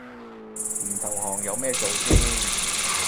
唔投降有咩做先